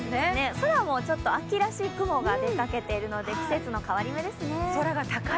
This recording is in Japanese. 空も秋らしい雲が出ていますので季節の境目ですね。